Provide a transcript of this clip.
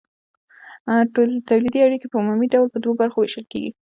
تولیدي اړیکې په عمومي ډول په دوو برخو ویشل کیږي.